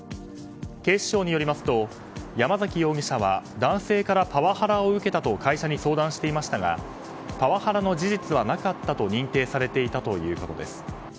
警視庁によりますと山崎容疑者は男性からパワハラを受けたと会社に相談していましたがパワハラの事実はなかったと認定されていたということです。